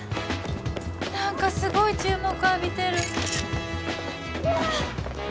何かすごい注目浴びてるこら！